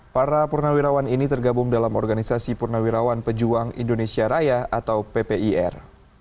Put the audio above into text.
para purnawirawan ini tergabung dalam organisasi purnawirawan pejuang indonesia raya atau ppir